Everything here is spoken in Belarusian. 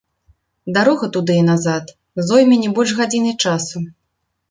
Дарога туды і назад зойме не больш гадзіны часу.